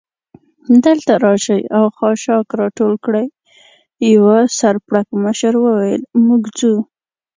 دلته راشئ او خاشاک را ټول کړئ، یوه سر پړکمشر وویل: موږ ځو.